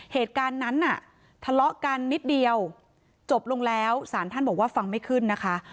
เหตุการณ์นั้นน่ะทะเลาะกันนิดเดียวจบลงแล้วสารท่านบอกว่าฟังไม่ขึ้นนะคะ